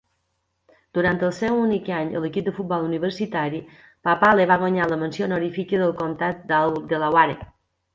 Durant el seu únic any a l'equip de futbol universitari, Papale va guanyar la Menció honorífica del Comtat de All-Delaware.